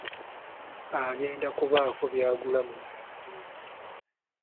Agenda kubaako by'agula mu maduuka.